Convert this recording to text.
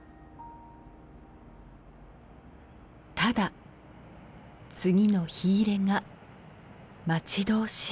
ただ次の火入れが待ち遠しい